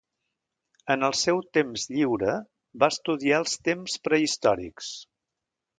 En el seu temps lliure, va estudiar els temps prehistòrics.